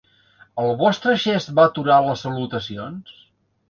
El vostre gest va aturar les salutacions?